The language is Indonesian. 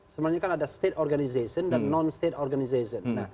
sebenarnya kan ada state organization dan non state organization